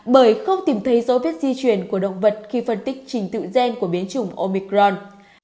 bởi không tìm thấy dấu viết di truyền của động vật khi phân tích trình tựu gen của biến chủng omicron